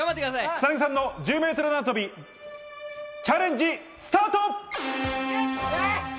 草薙さんの１０ｍ縄跳び、チャレンジスタート！